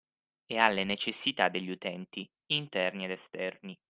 E alle necessità degli utenti (interni ed esterni).